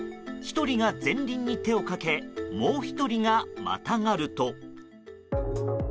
１人が前輪に手をかけもう１人がまたがると。